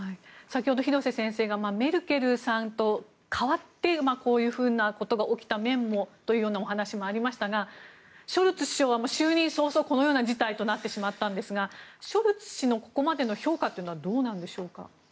先ほど廣瀬先生がメルケルさんと代わってこういうふうなことが起こった面もという話がありましたがショルツ首相は就任早々このような事態となってしまったんですがショルツ氏のここまでの評価はどうなんでしょうか。